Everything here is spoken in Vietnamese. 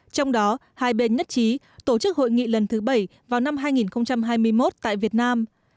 trong đó hai bên nhất trí tổ chức hội nghị lần thứ bảy vào năm hai nghìn hai mươi một tại việt nam